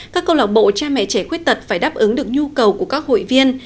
các câu lạc bộ cha mẹ trẻ khuyết tật phải đáp ứng được nhu cầu của các hội viên